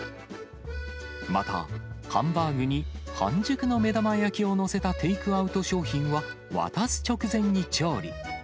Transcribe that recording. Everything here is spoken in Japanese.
また、ハンバーグに半熟の目玉焼きを載せたテイクアウト商品は、渡す直前に調理。